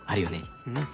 うん。